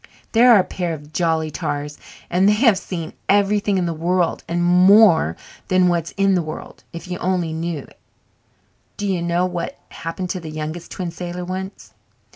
They are a pair of jolly tars and they have seen everything in the world and more than what's in the world, if you only knew it. Do you know what happened to the Youngest Twin Sailor once?